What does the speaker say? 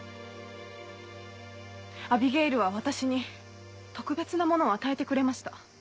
アビゲイルは私に特別なものを与えてくれました。